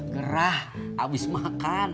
gerah abis makan